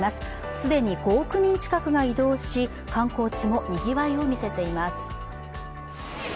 既に５億人近くが移動し観光地もにぎわいを見せています。